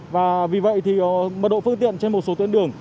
và vì vậy thì mật độ phương tiện trên một số tuyến đường